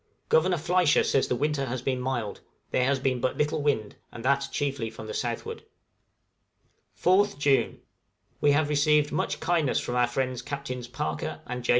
Governor Fliescher says the winter has been mild; there has been but little wind, and that chiefly from the southward. {JUNE, 1858.} {KINDNESS OF THE WHALERS.} 4th June. We have received much kindness from our friends Captains Parker and J.